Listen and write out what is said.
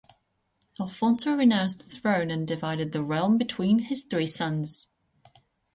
Alfonso renounced the throne and divided the realm between his three sons.